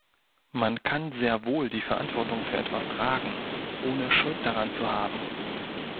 Man kann sehr wohl die Verantwortung für etwas tragen, ohne schuld daran zu haben.